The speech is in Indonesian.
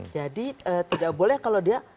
jadi tidak boleh kalau dia